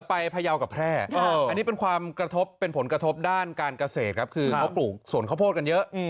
พยาวกับแพร่อันนี้เป็นความกระทบเป็นผลกระทบด้านการเกษตรครับคือเขาปลูกสวนข้าวโพดกันเยอะ